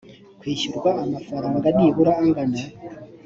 kwishyurwa amafaranga nibura angana